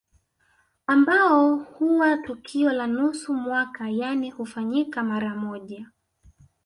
Ambao huwa tukio la nusu mwaka yani hufanyika mara moja